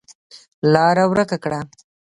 لاره ورکه کړه.